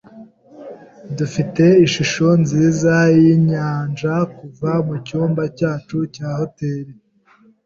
Dufite ishusho nziza yinyanja kuva mucyumba cyacu cya hoteri.